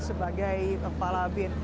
sebagai kepala bin